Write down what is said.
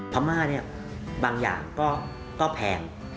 พม่าบางอย่างก็แพง